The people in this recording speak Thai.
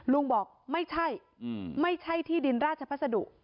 ลุงบอกไม่ใช่ไม่ใช่ที่ดินราชพัสดุ